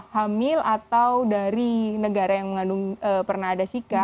hamil atau dari negara yang pernah ada zika